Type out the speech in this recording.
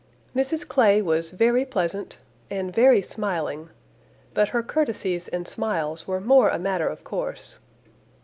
Mrs Clay was very pleasant, and very smiling, but her courtesies and smiles were more a matter of course.